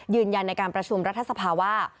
ยืนยันในการประชุมรัฐสภาว่า